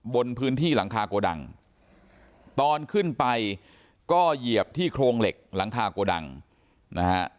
บนพื้นที่หลังคาโกดังตอนขึ้นไปก็เหยียบที่โครงเหล็กหลังคาโกดังนะฮะ